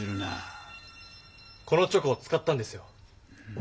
このチョコを使ったんですよ。